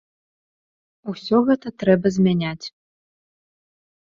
Усё гэта трэба змяняць.